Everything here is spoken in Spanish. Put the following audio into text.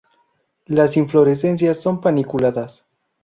Las inflorescencias son paniculadas.